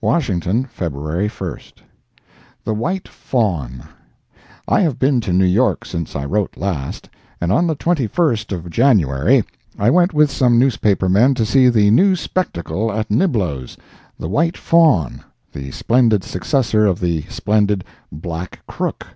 WASHINGTON, February 1st. "The White Fawn." I have been to New York since I wrote last, and on the 21st of January I went with some newspapermen to see the new spectacle at Niblo's, the "White Fawn," the splendid successor of the splendid "Black Crook."